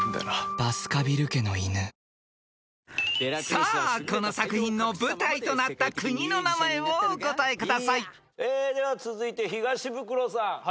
［さあこの作品の舞台となった国の名前をお答えください］では続いて東ブクロさん。